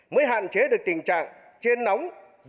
mới hạn chế được tình trạng